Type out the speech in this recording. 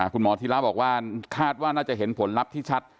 คุณหมอธิระบอกว่าคาดว่าน่าจะเห็นผลลัพธ์ที่ชัด